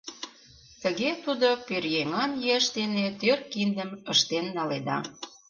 Тыге тудо пӧръеҥан еш дене тӧр киндым ыштен наледа.